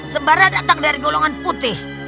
sembara datang dari golongan putih